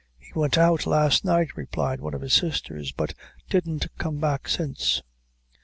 "He went out last night," replied one of his sisters, "but didn't come back since."